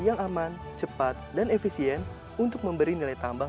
yang aman cepat dan efisien untuk memberi nilai tambah